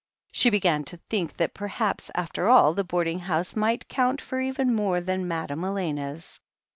She began to think that, perhaps, after all, the board ing house might count for even more than Madame Elena's.